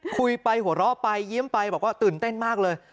คุยไปหัวเราะไปยิ้มไปบอกว่าตื่นเต้นมากเลย